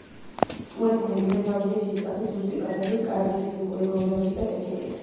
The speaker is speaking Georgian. ტურე ცნობილია თავისი სისწრაფით, ზუსტი პასებით, კარგი ფიზიკური მომზადებით და ტექნიკით.